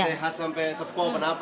asal sehat sampai sepoh apa apa